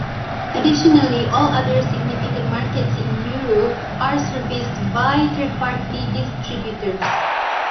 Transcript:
Additionally, all other significant markets in Europe are serviced by third-party distributors.